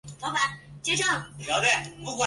阿尔坎蒂尔是巴西帕拉伊巴州的一个市镇。